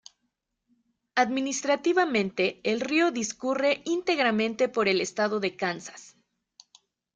Administrativamente, el río discurre íntegramente por el estado de Kansas.